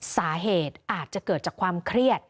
สาเหตุอาจจะเกิดจากความเครียด